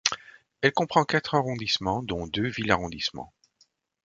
Elle comprend quatre arrondissements dont deux villes-arrondissements.